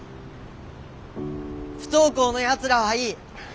不登校のやつらはいい。